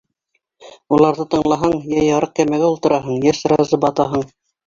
Уларҙы тыңлаһаң, йә ярыҡ кәмәгә ултыраһың, йә сразы батаһың.